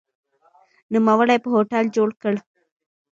نوموړي په هوټل جوړ کړ.